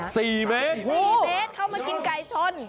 สี่เมตรเข้ามากินไก่ชน